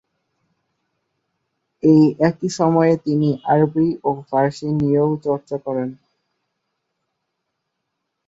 এই একই সময়ে তিনি আরবি ও ফার্সি নিয়েও চর্চা শুরু করেন।